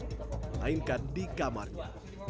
melainkan di kamarnya